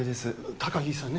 高城さんね